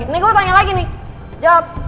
ini gue tanya lagi nih jawab